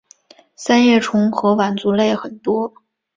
三叶虫和腕足类很多。